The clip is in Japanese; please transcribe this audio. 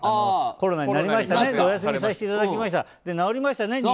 コロナになりましたね。